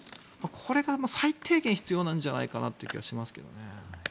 これが最低限必要じゃないかなという気がしますね。